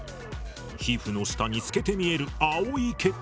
皮膚の下に透けて見える青い血管。